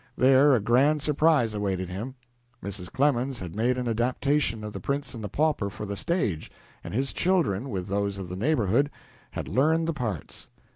There a grand surprise awaited him. Mrs. Clemens had made an adaptation of "The Prince and the Pauper" for the stage, and his children, with those of the neighborhood, had learned the parts.